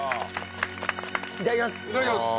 いただきます！